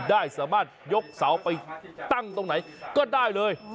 ได้สามารถยกเสาไปตั้งตรงไหนก็ได้เลย